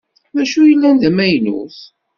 Dacu i yellan d amaynut?